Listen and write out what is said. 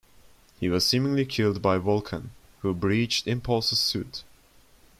He was seemingly killed by Vulcan, who breached Impulse's suit.